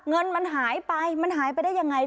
เงินมันหายไปมันหายไปได้ยังไง